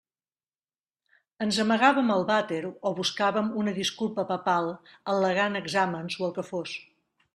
Ens amagàvem al vàter o buscàvem una disculpa papal al·legant exàmens o el que fos.